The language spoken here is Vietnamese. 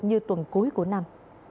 như tuần cuối của năm